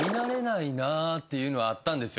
っていうのはあったんですよ